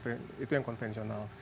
sementara kan itu yang konvensional